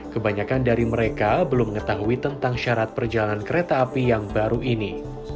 kebanyakan dari mereka belum mengetahui tentang syarat perjalanan kereta api yang baru ini